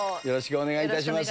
お願いいたします。